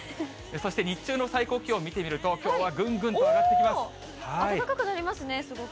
そして日中の最高気温見てみると、きょうはぐんぐんと上がってきま暖かくなりますね、すごく。